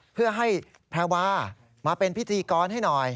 เพื่อให้แพรวามาเป็นพิธีกรให้หน่อย